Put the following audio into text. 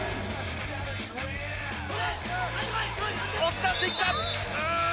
押し出していった！